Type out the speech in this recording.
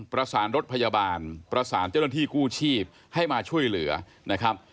ประสานรถพยาบาลประสานเจ้าหน้าที่กู้ชีพให้มาช่วยเหลือนะครับ